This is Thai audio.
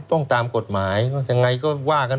ต้องตามกฎหมายยังไงก็ว่ากัน